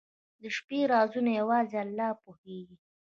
• د شپې رازونه یوازې الله پوهېږي.